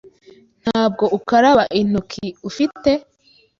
Ntabwo ukaraba intoki, ufite?